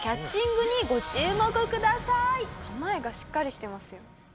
メグさんの構えがしっかりしてますよ。